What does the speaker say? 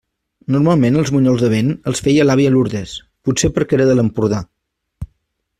Normalment els bunyols de vent els feia l'àvia Lourdes, potser perquè era de l'Empordà.